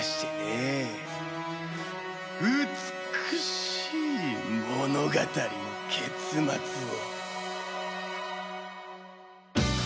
美しい物語の結末を。